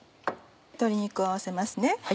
鶏肉を合わせますね。